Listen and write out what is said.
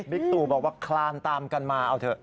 บิ๊กตุบอกว่าคลามตามกันมาเอาเถอะ